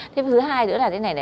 thế thứ hai nữa là thế này